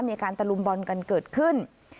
มีการตะลุมบอลกันเกิดขึ้น